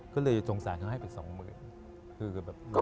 ก็เลยจงสารเขาให้ไป๒๐๐๐๐๐บาท